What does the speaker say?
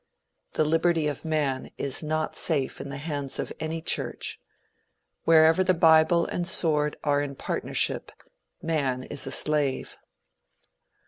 The liberty of man is not safe in the hands of any church. Wherever the bible and sword are in partnership, man is a slave.